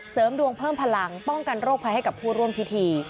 เสริมดวงเพิ่มพลังป้องกันโรคภัยให้กับผู้ร่วมพิธี